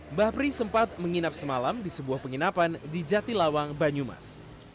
mbah pri sempat menginap semalam di sebuah penginapan di jatilawang banyumas